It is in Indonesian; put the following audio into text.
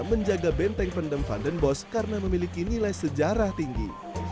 menjaga benteng pendem vandenbos karena memiliki nilai sejarah tinggi